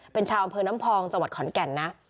เป็นชาวอำเภอน้ำพองจังหวัดขอนแก่นนะ